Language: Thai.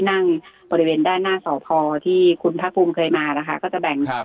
นั่งบริเวณด้านหน้าสพที่คุณภาคภูมิเคยมานะคะก็จะแบ่ง